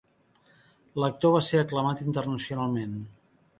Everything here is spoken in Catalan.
L'actor va ser aclamat internacionalment.